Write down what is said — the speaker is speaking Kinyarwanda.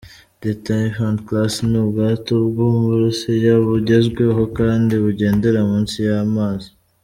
The Typhoon Class : Ni ubwato bw’u Burusiya bugezwego kandi bugendera munsi y’amazi.